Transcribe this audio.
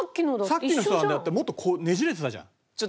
さっきの人なんてもっとこうねじれてたじゃん。